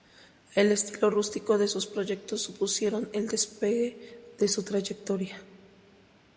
El estilo rústico de sus proyectos supusieron el despegue de su trayectoria.